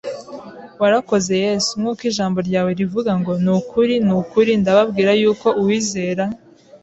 Warakoze Yesu! Nk’uko ijambo ryawe rivuga ngo: "Ni ukuri, ni ukuri, ndababwira yuko uwizera